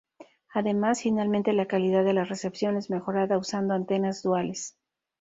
Además, finalmente la calidad de la recepción es mejorada usando antenas duales.